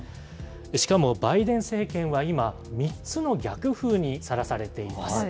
しかも、バイデン政権は今、３つの逆風にさらされています。